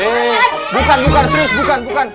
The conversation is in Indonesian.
eh bukan bukan serius bukan bukan